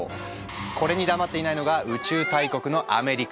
これに黙っていないのが宇宙大国のアメリカ。